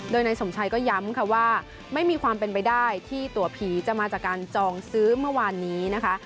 โดยนายสมชัยก็ย้ำค่ะว่าไม่มีความเป็นไปได้ที่ตัวผีจะมาจากการจองซื้อเมื่อวานนี้นะคะ